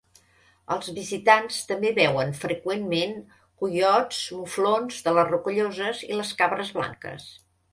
Els visitants també veuen freqüentment coiots, muflons de les rocalloses i les cabres blanques.